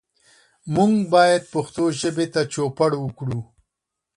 موږ باید پښتو ژبې ته چوپړ وکړو.